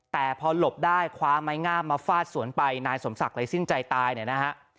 แต่พอหลบได้คว้าไม้งามมาฟาดสวนไปนายสมศักดิ์เลยสิ้นใจตายเนี่ยนะฮะ